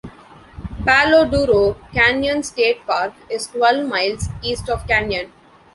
Palo Duro Canyon State Park is twelve miles east of Canyon.